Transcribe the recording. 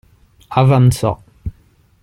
Avanzò.